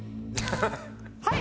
はい！